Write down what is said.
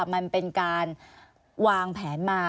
มันเป็นการวางแผนมา